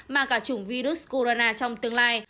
mà cả chủng virus corona trong tương lai